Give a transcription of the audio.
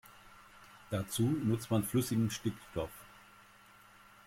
Dazu nutzt man flüssigen Stickstoff.